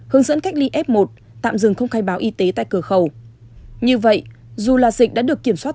hướng dẫn cách ly f một tạm dừng không khai báo y tế tại cửa khẩu như vậy dù là dịch đã được kiểm soát